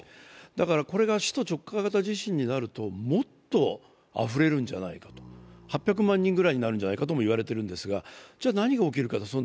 だから、これが首都直下型地震になると、もっとあふれるんじゃないか、８００万人ぐらいになるんじゃないかとも言われているんですが、ではそのときに何が起きるのか。